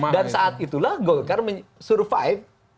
dan saat itulah golkar survive